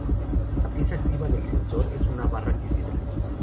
La pieza activa del sensor es una barra que vibra.